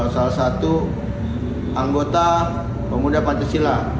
salah satu anggota pemuda pancasila